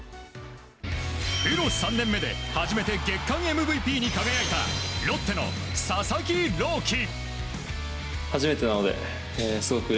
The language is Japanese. プロ３年目で初めて月間ＭＶＰに輝いたロッテの佐々木朗希。